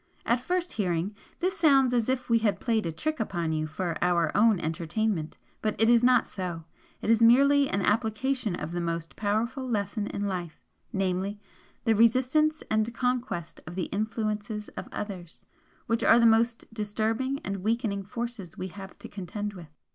At first hearing, this sounds as if we had played a trick upon you for our own entertainment but it is not so, it is merely an application of the most powerful lesson in life namely, THE RESISTANCE AND CONQUEST OF THE INFLUENCES OF OTHERS, which are the most disturbing and weakening forces we have to contend with."